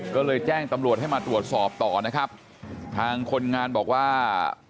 ก็เลยแจ้งตำรวจให้มาตรวจสอบต่อนะครับทางคนงานบอกว่า